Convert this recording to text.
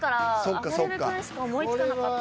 あばれる君しか思いつかなかった。